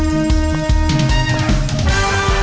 น่ารักอ่ะ